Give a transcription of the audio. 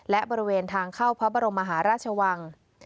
และบริเวณทางเข้าพระบรมมหาราชวัง